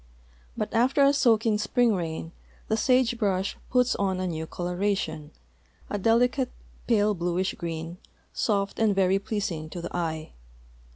But after a soaking spring rain the sage brush puts on a new coloration, a delicate pale bluish green, soft and veiy ))leasing to the eye.